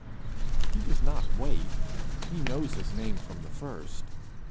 He does not wait; he knows his name from the first.